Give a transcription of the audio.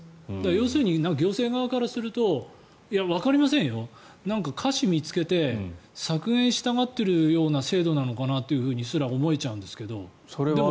要するに行政側からすると瑕疵を見つけて削減したがっているような制度なのかなとすら思えちゃうんだけども。